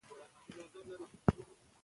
ایا دا کار فشار کموي؟